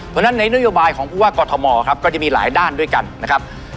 เพราะฉะนั้นในนโยบายของผู้ว่ากอทมครับก็จะมีหลายด้านด้วยกันนะครับ